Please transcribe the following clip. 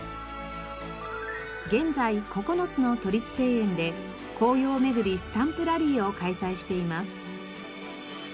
現在９つの都立庭園で「紅葉めぐりスタンプラリー」を開催しています。